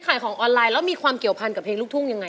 ขายของออนไลน์แล้วมีความเกี่ยวพันกับเพลงลูกทุ่งยังไง